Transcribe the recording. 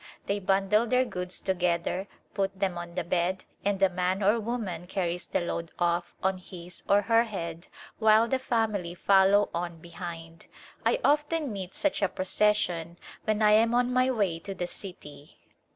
They bundle their goods together, put them on the bed, and a man or woman carries the load off on his or her head while the family follow on behind. I often meet such a procession when I am on mv way to the city.